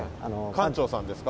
館長さんですか？